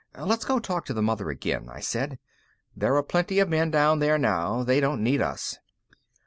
"Let's go talk to the mother again," I said. "There are plenty of men down there now; they don't need us."